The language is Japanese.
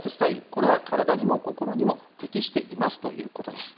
これは体にも心にも適していますということです。